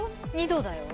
２度だよ。